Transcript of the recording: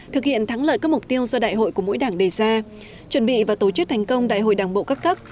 thực hiện thắng lợi các mục tiêu do đại hội của mỗi đảng đề ra chuẩn bị và tổ chức thành công đại hội đảng bộ các cấp